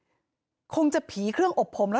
หมาก็เห่าตลอดคืนเลยเหมือนมีผีจริง